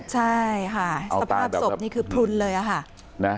ใช่ค่ะสภาพศพนี่คือพลุนเลยค่ะ